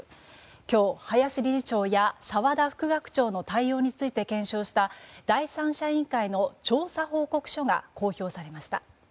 今日、林理事長や澤田副学長の対応について検証した第三者委員会の調査報告書が公表されました。